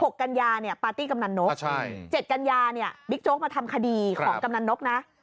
กกันยาเนี่ยปาร์ตี้กำนันนกใช่เจ็ดกัญญาเนี่ยบิ๊กโจ๊กมาทำคดีของกำนันนกนะ